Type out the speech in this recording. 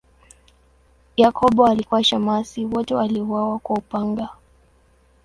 Yakobo alikuwa shemasi, wote waliuawa kwa upanga.